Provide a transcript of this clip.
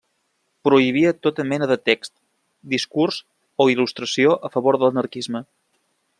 Prohibia tota mena de text, discurs o il·lustració a favor de l'anarquisme.